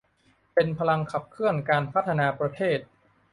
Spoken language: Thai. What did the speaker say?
เป็นพลังขับเคลื่อนการพัฒนาประเทศ